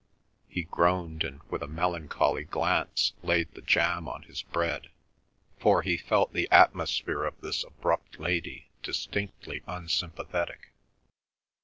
He groaned, and with a melancholy glance laid the jam on his bread, for he felt the atmosphere of this abrupt lady distinctly unsympathetic.